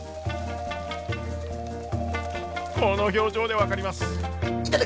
この表情で分かります。